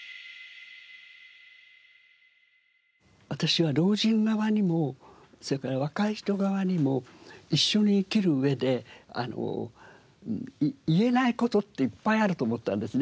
私は老人側にもそれから若い人側にも一緒に生きる上で言えない事っていっぱいあると思ったんですね。